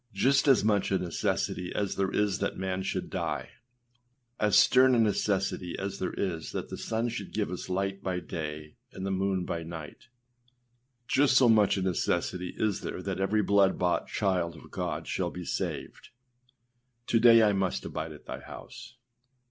Just as much a necessity as there is that man should die, as stern a necessity as there is that the sun should give us light by day and the moon by night, just so much a necessity is there that every blood bought child of God shall be saved. âTo day I must abide at thy house.